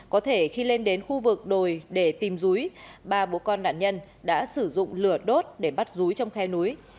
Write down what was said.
có thể khi lên đến khu vực đồi để tìm rúi ba bố con nạn nhân đã sử dụng lửa đốt để bắt rúi trong khe núi